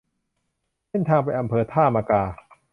เส้นทางไปอำเภอท่ามะกา